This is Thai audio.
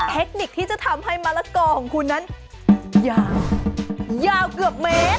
เทคนิคที่จะทำให้มะละกอของคุณนั้นยาวยาวเกือบเมตร